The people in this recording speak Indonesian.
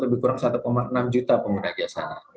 lebih kurang satu enam juta pengguna jasa